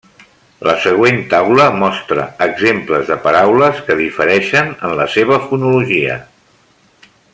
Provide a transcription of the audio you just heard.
La següent taula mostra exemples de paraules que difereixen en la seva fonologia.